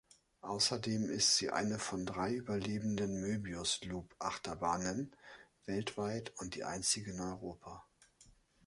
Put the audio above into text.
Außerdem ist sie eine von drei überlebenden Moebius-Loop-Achterbahnen weltweit und die einzige in Europa.